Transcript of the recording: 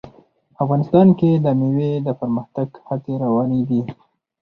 افغانستان کې د مېوې د پرمختګ هڅې روانې دي.